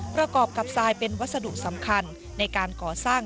ประกอบกับทรายเป็นวัสดุสำคัญในการก่อสร้าง